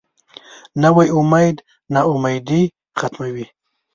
نوی امید نا امیدي ختموي